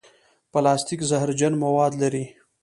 پلاستيک زهرجن مواد لري.